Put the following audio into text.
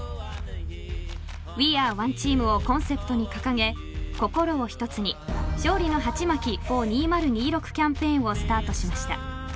ＷｅａｒｅＯｎｅｔｅａｍ．をコンセプトに掲げ心を一つに勝利のハチマキｆｏｒ２０２６キャンペーンをスタートしました。